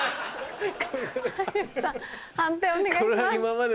判定お願いします。